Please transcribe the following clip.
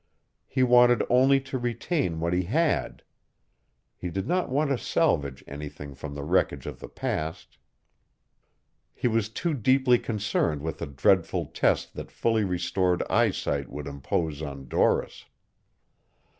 He wanted only to retain what he had. He did not want to salvage anything from the wreckage of the past. He was too deeply concerned with the dreadful test that fully restored eyesight would impose on Doris.